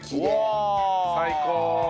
最高！